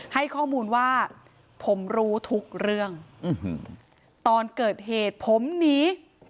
ให้ข้อมูลว่าผมรู้ทุกเรื่องตอนเกิดเหตุผมหนี